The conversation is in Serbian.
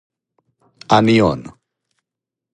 А ни он.